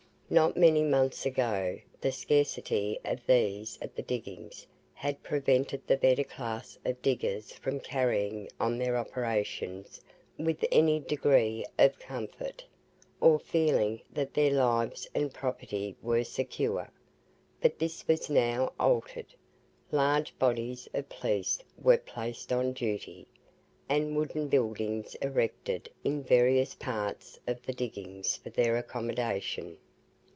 Not many months ago, the scarcity of these at the diggings had prevented the better class of diggers from carrying on their operations with any degree of comfort, or feeling that their lives and property were secure. But this was now altered; large bodies of police were placed on duty, and wooden buildings erected in various parts of the diggings for their accommodation.